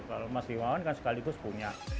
kalau mas rimawan kan sekaligus punya